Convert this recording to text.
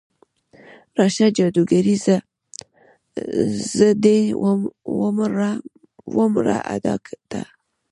راشه جادوګرې، زه دې ومرمه ادا ته